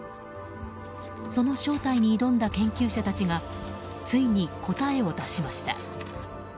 その正体に挑んだ研究者たちがついに答えを出しました。